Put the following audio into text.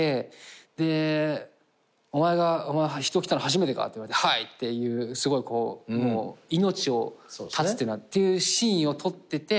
で「お前人を斬ったの初めてか」って言われて「はい！」っていうすごい命を断つっていうのはっていうシーンを撮ってて。